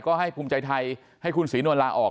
ก็ให้ภูมิใจไทยให้คุณศรีนวลลาออก